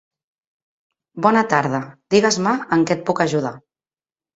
Bona tarda, digues-me en què et puc ajudar.